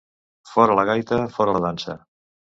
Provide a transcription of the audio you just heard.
Fora la gaita, fora la dansa.